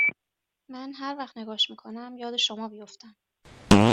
من هر وقت نگاش می کنم یاد شما بیفتم